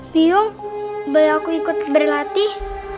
biung boleh aku ikut berlatih